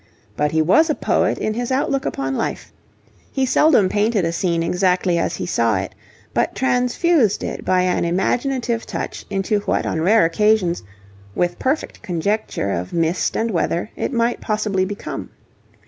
But he was a poet in his outlook upon life; he seldom painted a scene exactly as he saw it, but transfused it by an imaginative touch into what on rare occasions, with perfect conjuncture of mist and weather, it might possibly become.